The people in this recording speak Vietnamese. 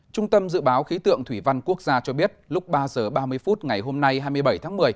trung tâm dự báo khí tượng thủy văn quốc gia cho biết lúc ba h ba mươi phút ngày hôm nay hai mươi bảy tháng một mươi